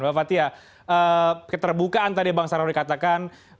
mbak fathia keterbukaan tadi bang sarawari katakan